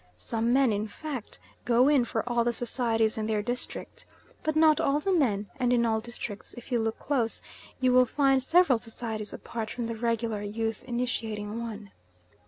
Some men, in fact, go in for all the societies in their district, but not all the men; and in all districts, if you look close, you will find several societies apart from the regular youth initiating one.